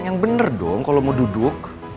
yang bener dong kalau mau duduk